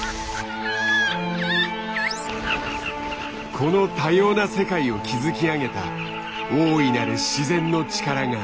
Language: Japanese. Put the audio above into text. この多様な世界を築き上げた大いなる自然の力がある。